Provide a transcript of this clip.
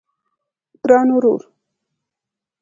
ګران ورور